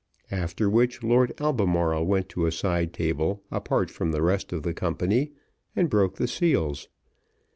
After which, Lord Albemarle went to a side table, apart from the rest of the company, and broke the seals.